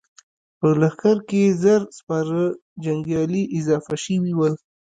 په لښکر کې يې زر سپاره جنګيالي اضافه شوي ول.